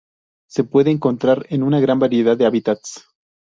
Se puede encontrar en una gran variedad de hábitats.